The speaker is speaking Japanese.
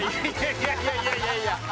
いやいやいやいや！